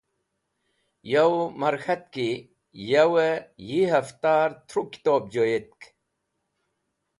Yawẽ mar k̃hat ki yawẽ yi hẽftar tru kitob joyetk.